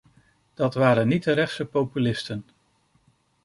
Dat waren niet de rechtse populisten!